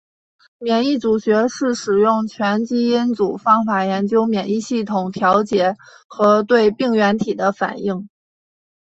免疫组学是使用全基因组方法研究免疫系统调节和对病原体的反应。